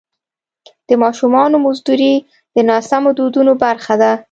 د ماشومانو مزدوري د ناسمو دودونو برخه ده.